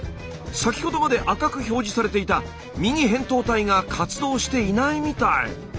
先ほどまで赤く表示されていた右へんとう体が活動していないみたい。